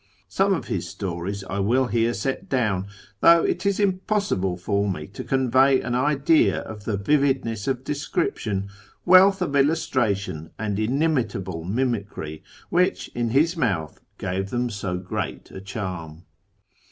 Some of his stories I will here set down, though it is impossible for me to convey an idea of the vividness of description, wealth of illustration, and inimitable mimicry, which, in his mouth, gave them so great a charm.